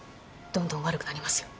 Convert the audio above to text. どんどん悪くなりますよ。